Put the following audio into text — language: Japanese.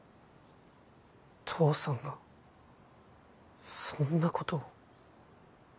父さんがそんなことを。